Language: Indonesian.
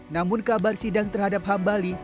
namun kabar sidang terhadap hambali